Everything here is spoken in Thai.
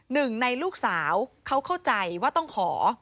หนึ่งในลูกสาวเขาเข้าใจว่าต้องขอ